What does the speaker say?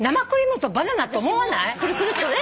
くるくるっとね。